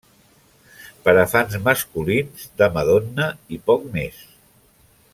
Per a fans masculins de Madonna i poc més.